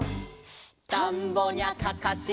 「たんぼにゃかかし」